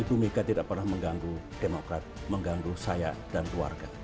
ibu mega tidak pernah mengganggu demokrat mengganggu saya dan keluarga